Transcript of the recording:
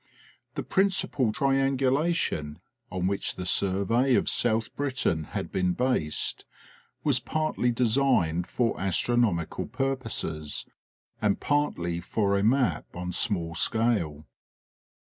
The principal triangulation, on which the survey of South Britain had been based, was partly designed for astronomical purposes, and partly for a map on small seale.